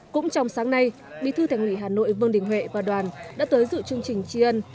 cũng trong sáng nay bí thư thành ủy hà nội vương đình huệ và đoàn đã tới dự chương trình tri ân